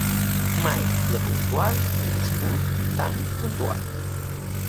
Mai «La Puntual» havia sigut tant puntual